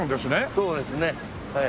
そうですねはい。